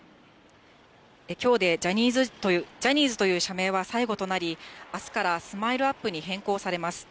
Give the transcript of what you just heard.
きょうでジャニーズという社名は最後となり、あすからスマイルアップに変更されます。